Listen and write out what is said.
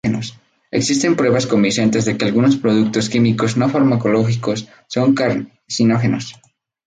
Existen pruebas convincentes de que algunos productos químicos no farmacológicos son carcinógenos.